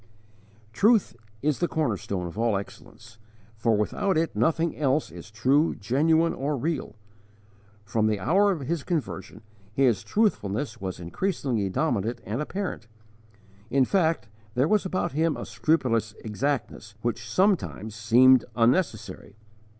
_ Truth is the corner stone of all excellence, for without it nothing else is true, genuine, or real. From the hour of his conversion his truthfulness was increasingly dominant and apparent. In fact, there was about him a scrupulous exactness which sometimes seemed unnecessary.